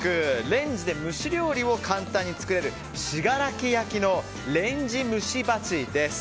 レンジで蒸し料理を簡単に作れる信楽焼のレンジ蒸し鉢です。